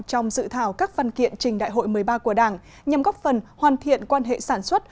trong dự thảo các văn kiện trình đại hội một mươi ba của đảng nhằm góp phần hoàn thiện quan hệ sản xuất